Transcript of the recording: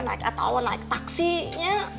naik atoan naik taksinya